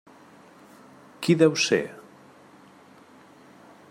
Qui deu ser?